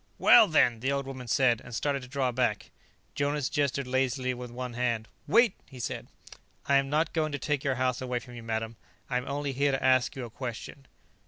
"Well, then," the old woman said, and started to draw back. Jonas gestured lazily with one hand. "Wait," he said. "I am not going to take your house away from you, madam. I am only here to ask you a question."